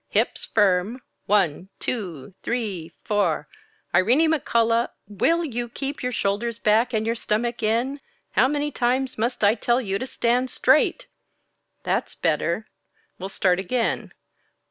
Hips firm, one, two, three, four Irene McCullough! Will you keep your shoulders back and your stomach in? How many times must I tell you to stand straight? That's better! We'll start again.